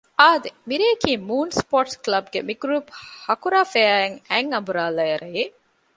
އާދެ! މިރެއަކީ މޫން ސްޕޯރޓްސް ކްލަބްގެ މިގްރޫޕް ހަކުރާފެއަރގައި އަތްއަނބުރާލާ ރެއެއް